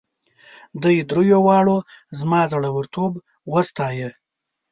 دوی دریو واړو زما زړه ورتوب وستایه.